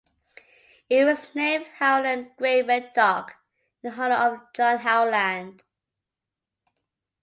It was named "Howland Great Wet Dock" in honour of John Howland.